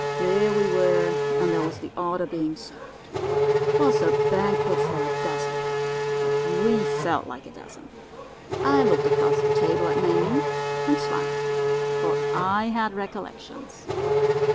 "There we were, and there was the order being served. 'Twas a banquet for a dozen, but we felt like a dozen. I looked across the table at Mame and smiled, for I had recollections.